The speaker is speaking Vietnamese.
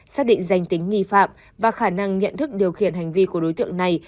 xác định danh tính nghi phạm và khả năng nhận thức điều khiển hành vi của đối tượng này